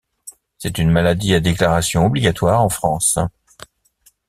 C'est une maladie à déclaration obligatoire en France.